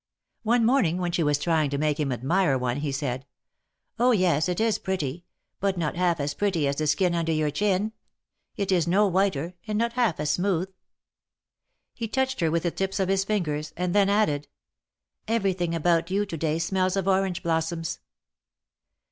One morning, when she was trying to make him admire one, he said : Oh, yes, it is pretty. But not half as pretty as the skin under your chin. It is no whiter, and not half as smooth.'' He touched her with the tips of his fingers, and then added ; Everything about you to day smells of orange blos soms."